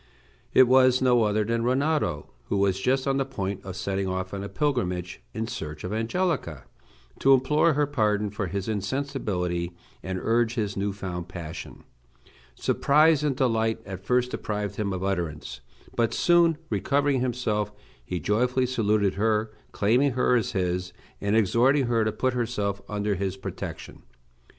It was no other than Rinaldo, who was just on the point of setting off on a pilgrimage in search of Angelica, to implore her pardon for his insensibility, and urge his new found passion. Surprise and delight at first deprived him of utterance, but soon recovering himself, he joyfully saluted her, claiming her as his, and exhorting her to put herself under his protection.